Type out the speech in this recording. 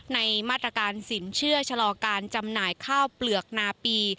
ในมาตรการสินเชื่อชะลอการจำหน่ายข้าวเปลือกนาปี